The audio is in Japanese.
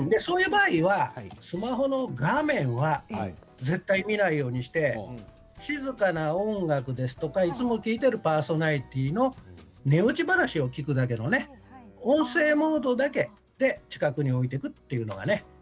スマホの画面を絶対に見ないように静かな音楽や、いつも聴いているパーソナリティーの寝落ち話を聴くだけの音声モードだけで近くに置いておくというのがね